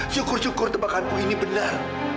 syukur syukur tebakanku ini benar